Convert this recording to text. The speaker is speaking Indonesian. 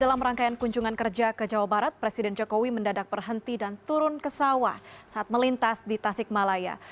dalam rangkaian kunjungan kerja ke jawa barat presiden jokowi mendadak berhenti dan turun ke sawah saat melintas di tasik malaya